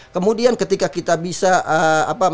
kemudian ketika kita bisa apa